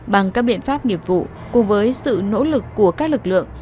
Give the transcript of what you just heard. bằng các biện pháp nghiệp vụ cùng với sự nỗ lực của các lực lượng